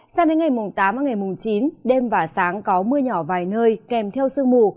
sao đến ngày tám và ngày chín đêm và sáng có mưa nhỏ vài nơi kèm theo sương mù